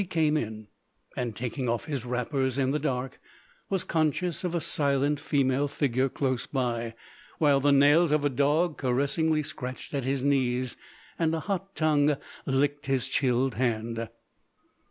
He came in, and taking off his wrappers in the dark, was conscious of a silent female figure close by, while the nails of a dog caressingly scratched at his knees, and a hot tongue licked his chilled hand.